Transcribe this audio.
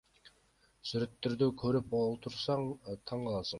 Сүрөттөрдү көрүп олтурсаң таң каласың.